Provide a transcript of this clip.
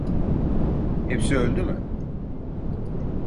Hepsi öldü mü?